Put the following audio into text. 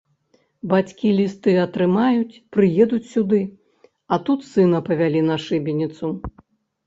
Бацькі лісты атрымаюць, прыедуць сюды, а тут сына павялі на шыбеніцу.